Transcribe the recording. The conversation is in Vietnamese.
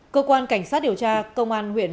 cơ quan cảnh sát điều tra công an huyện